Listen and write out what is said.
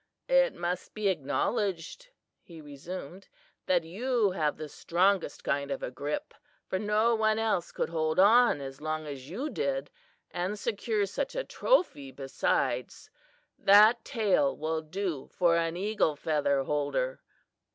"It must be acknowledged," he resumed, "that you have the strongest kind of a grip, for no one else could hold on as long as you did, and secure such a trophy besides. That tail will do for an eagle feather holder."